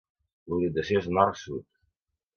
L'orientació és nord-sud.